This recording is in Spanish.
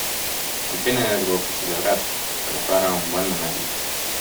al fin hay algo que celebrar. prepara un buen numerito .